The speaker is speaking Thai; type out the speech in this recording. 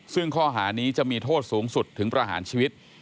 ซึ่งข้อหานี้จะมีโทษสูงสุดถึงประหารชีวิต